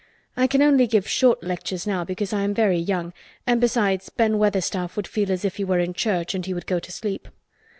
I can only give short lectures now because I am very young, and besides Ben Weatherstaff would feel as if he were in church and he would go to sleep."